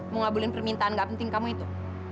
mau ngabulin permintaan gak penting kamu itu